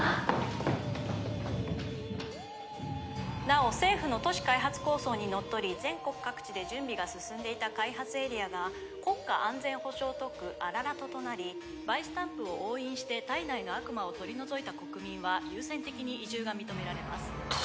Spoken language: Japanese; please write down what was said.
「なお政府の都市開発構想にのっとり全国各地で準備が進んでいた開発エリアが国家安全保障特区アララトとなりバイスタンプを押印して体内の悪魔を取り除いた国民は優先的に移住が認められます」